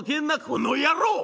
「この野郎！